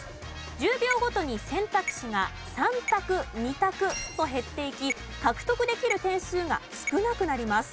１０秒ごとに選択肢が３択２択と減っていき獲得できる点数が少なくなります。